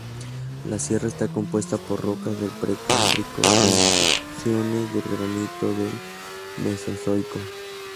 La sierra está compuesta por rocas del Precámbrico e intrusiones de granito del mesozoico.